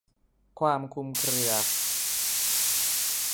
ความคลุมเครือ